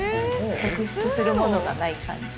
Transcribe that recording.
特質するものがない感じ。